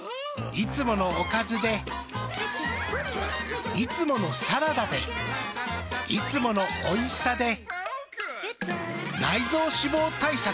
いつものおかずでいつものサラダでいつものおいしさで内臓脂肪対策。